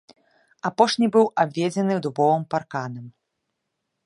Апошні быў абведзены дубовым парканам.